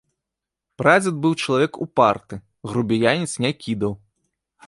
Прадзед быў чалавек упарты, грубіяніць не кідаў.